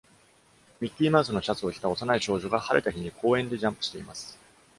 ミッキーマウスのシャツを着た幼い少女が晴れた日に公園でジャンプしています。